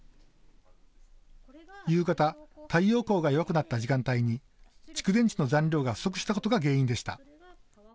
夕方、太陽光が弱くなった時間帯に蓄電池の残量が不足したことが原因でした。